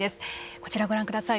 こちらご覧ください。